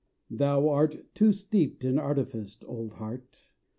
Thou art too steeped in artifice, old heart!